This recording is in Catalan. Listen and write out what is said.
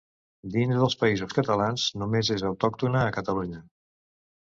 Dins dels Països Catalans només és autòctona a Catalunya.